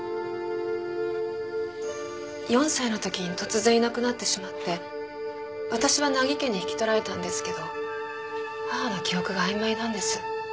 ４歳のときに突然いなくなってしまって私は名木家に引き取られたんですけど母の記憶が曖昧なんです。